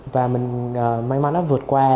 và mình may mắn nó vượt qua